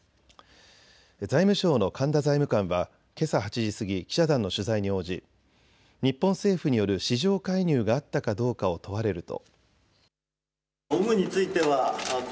財務省の神田財務官はけさ８時過ぎ記者団の取材に応じ日本政府による市場介入があったかどうかを問われると。